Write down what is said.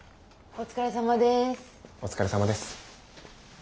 お疲れさまです。